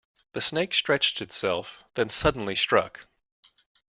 The snake stretched itself, then suddenly struck.